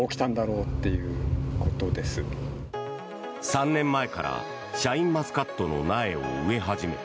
３年前からシャインマスカットの苗を植え始め